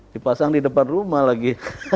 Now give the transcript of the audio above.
dipasang di depan rumah lagi